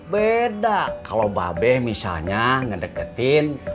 beda kalau mbak be misalnya ngedeketin